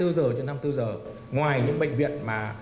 ngoài những bệnh viện mà không có bệnh viện